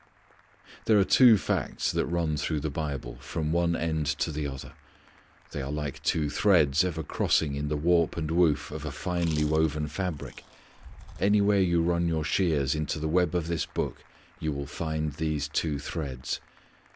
There are two facts that run through the Bible from one end to the other. They are like two threads ever crossing in the warp and woof of a finely woven fabric. Anywhere you run your shears into the web of this Book you will find these two threads.